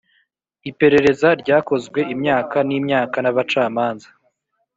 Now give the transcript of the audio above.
iperereza ryakozwe imyaka n'imyaka n'abacamanza